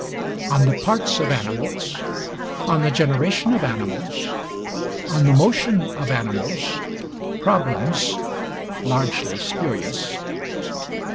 'On the Parts of Animals,' 'On the Generation of Animals,' 'On the Motion of Animals,' 'Problems' (largely spurious).